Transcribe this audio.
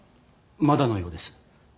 まだのようです。